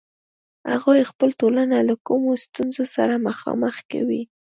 هغوی خپله ټولنه له کومو ستونزو سره مخامخ کوي.